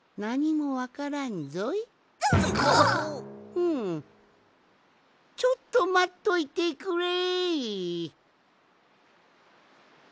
うんちょっとまっといてくれい！